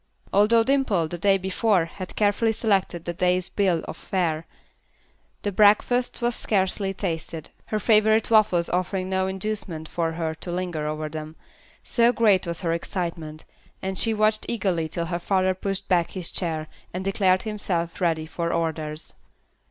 Although Dimple, the day before, had carefully selected the day's bill of fare, the breakfast was scarcely tasted, her favorite waffles offering no inducement for her to linger over them, so great was her excitement, and she watched eagerly till her father pushed back his chair, and declared himself ready for orders.